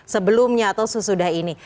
sebelumnya atau sesudah ini